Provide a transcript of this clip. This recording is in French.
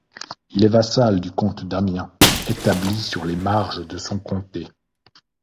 Il est vassal du comte d'Amiens, établi sur les marges de son comté.